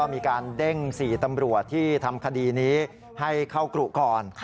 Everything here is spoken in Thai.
มีการเด่งสี่ตำรวจที่ทำคดีเรียนมันให้เข้ากรุกก่อน